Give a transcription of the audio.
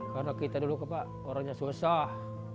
karena kita dulu pak orangnya susah